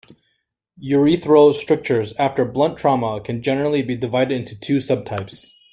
Urethral strictures after blunt trauma can generally be divided into two sub-types.